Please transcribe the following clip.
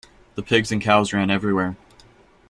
The pigs and cows ran everywhere.